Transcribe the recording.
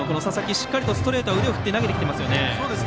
しっかりストレートは腕を振って投げてきています。